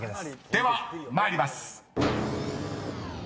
［では参ります］